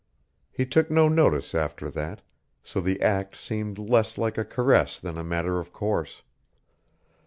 He took no notice after that, so the act seemed less like a caress than a matter of course.